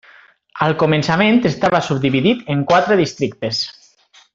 Al començament estava subdividit en quatre districtes.